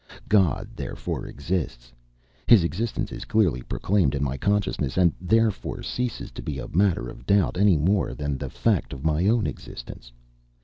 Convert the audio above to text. God therefore exists: his existence is clearly proclaimed in my consciousness, and therefore ceases to be a matter of doubt any more than the fact of my own existence.